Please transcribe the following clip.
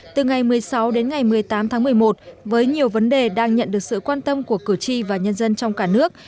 từ ngày một mươi sáu đến ngày một mươi tám tháng một mươi một với nhiều vấn đề đang nhận được sự quan tâm của cử tri và nhân dân trong cả nước